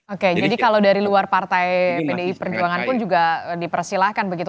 oke jadi kalau dari luar partai pdi perjuangan pun juga dipersilahkan begitu